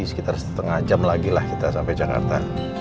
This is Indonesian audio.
sekitar setengah jam lagi lah kita sampai jakarta